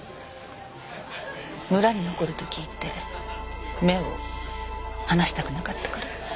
村に残ると聞いて目を離したくなかったから。